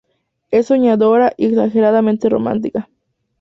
Es soñadora, y exageradamente romántica.